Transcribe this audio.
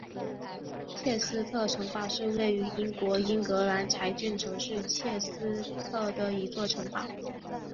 切斯特城堡是位于英国英格兰柴郡城市切斯特的一座城堡。